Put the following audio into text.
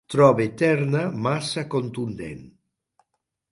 Troba eterna massa contundent.